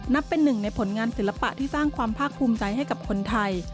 เป็นหนึ่งในผลงานศิลปะที่สร้างความภาคภูมิใจให้กับคนไทย